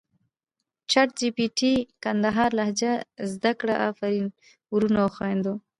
چټ جې پې ټې کندهارې لهجه زده کړه افرین ورونو او خویندو!